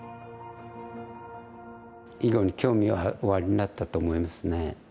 囲碁に興味はおありになったと思いますね。